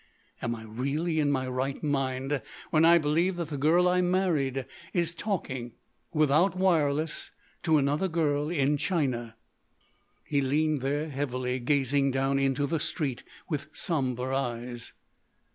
Am I really in my right mind when I believe that the girl I married is talking, without wireless, to another girl in China!" He leaned there heavily, gazing down into the street with sombre eyes.